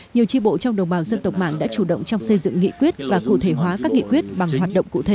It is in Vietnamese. nhiều tri bộ trong đồng bào dân tộc mạng đã chủ động trong xây dựng nghị quyết và cụ thể hóa các nghị quyết bằng hoạt động cụ thể